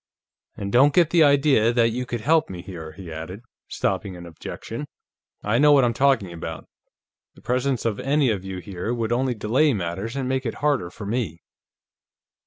And don't get the idea that you could help me here," he added, stopping an objection. "I know what I'm talking about. The presence of any of you here would only delay matters and make it harder for me."